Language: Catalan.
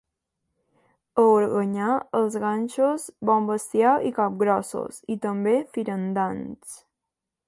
A Organyà els ganxos, bon bestiar i capgrossos, i també firandants.